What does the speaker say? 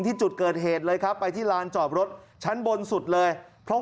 ที่จุดเกิดเหตุเลยครับไปที่ลานจอดรถชั้นบนสุดเลยเพราะ